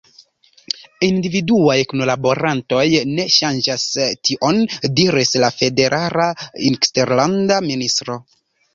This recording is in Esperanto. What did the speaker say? Individuaj kunlaborantoj ne ŝanĝas tion," diris la Federala Eksterlanda Ministro.